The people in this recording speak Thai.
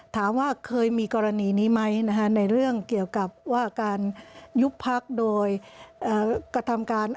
ถามว่าเคยมีกรณีนี้ไหมในเรื่องเกี่ยวกับว่าการยุบพักโดยกระทำการ